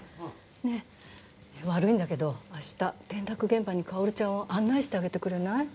ねぇ悪いんだけど明日転落現場にかおるちゃんを案内してあげてくれない？